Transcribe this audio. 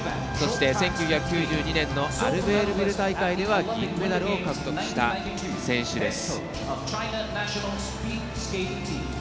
そして、１９９２年のアルベールビル大会では銀メダルを獲得した選手です。